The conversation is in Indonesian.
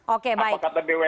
oke baik apa kata bumn oke baik